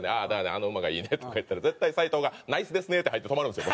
「あの馬がいいね」とか言ったら絶対斉藤が「ナイスですね！！」って入って止まるんですよ。